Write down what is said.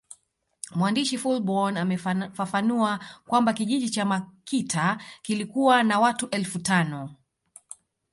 Mwandishi Fullborn amefafanua kwamba kijiji cha Makita kilikuwa na watu elfu tano